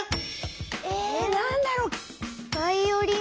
えなんだろう。